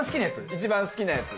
一番好きなやつ。